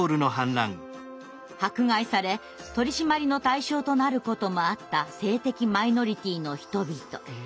迫害され取り締まりの対象となることもあった性的マイノリティーの人々。